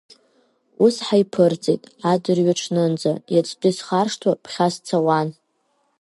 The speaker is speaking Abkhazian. Ус ҳаиԥырҵит адырҩаҽнынӡа, иацтәи схаршҭуа ԥхьа сцауан.